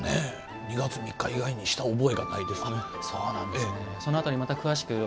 ２月３日以外にした覚えがないですね。